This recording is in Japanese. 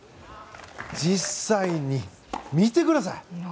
実際に見てください！